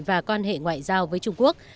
và quan hệ ngoại giao với trung quốc